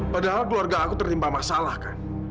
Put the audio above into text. padahal keluarga aku tertimpa masalah kan